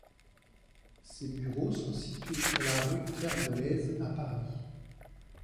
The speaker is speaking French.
Ses bureaux sont situés sur la rue Pergolèse à Paris.